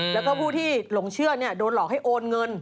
แล้วก็ผู้ที่หลงเชื่อโดนหลอกให้โอนเงิน